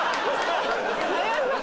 有吉さん